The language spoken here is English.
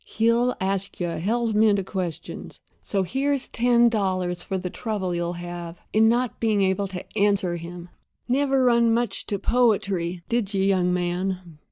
He'll ask you a hell's mint of questions; so here's ten dollars for the trouble you'll have in not being able to answer 'em. Never run much to poetry, did you, young man?"